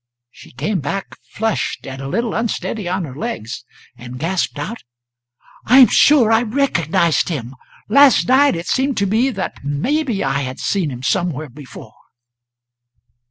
She came back flushed and a little unsteady on her legs, and gasped out: "I am sure I recognised him! Last night it seemed to me that maybe I had seen him somewhere before."